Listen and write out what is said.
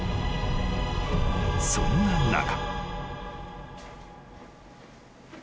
［そんな中］